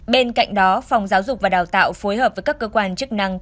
bên cạnh đó phòng giáo dục và đào tạo phối hợp với các cơ quan chức năng